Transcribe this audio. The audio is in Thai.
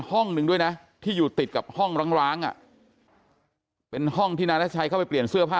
ห้องหนึ่งด้วยนะที่อยู่ติดกับห้องร้างเป็นห้องที่นายรัชชัยเข้าไปเปลี่ยนเสื้อผ้า